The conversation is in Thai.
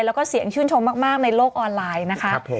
แล้วก็เสียงชื่นชมมากในโลกออนไลน์นะคะ